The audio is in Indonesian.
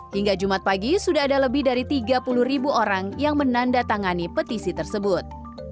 hingga jumat pagi sudah ada lebih dari tiga puluh ribu orang yang menandatangani petisi tersebut